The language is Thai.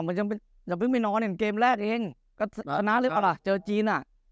มันยังเป็นยังเพิ่งไปนอนอย่างเกมแรกเองก็เอาล่ะเจอจีนอ่ะ